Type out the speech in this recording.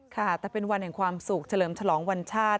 ค่ะแต่เป็นวันแห่งความสุขเฉลิมฉลองวันชาติ